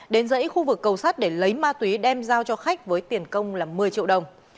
đến dãy khu vực cầu sát để lấy ma túy đem giao cho khách với tiền công là một mươi triệu đồng